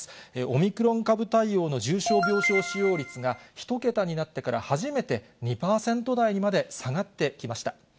オミクロン株対応の重症病床使用率が、１桁になってから初めて２％台にまで下がってきました。